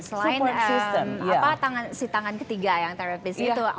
selain si tangan ketiga yang terapis itu